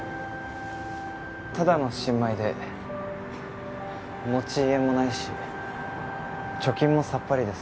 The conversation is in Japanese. ただの新米で持ち家もないし貯金もさっぱりです